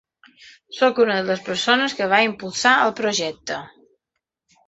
Sóc una de les persones que va impulsar el projecte.